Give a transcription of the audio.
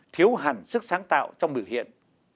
thiếu hẳn sức sáng tạo trong biểu hiện